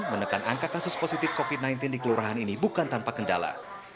menekan angka kasus positif covid sembilan belas di kelurahan ini bukan tanpa kendala